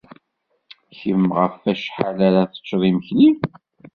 Kemm ɣef wacḥal ara teččeḍ imekli?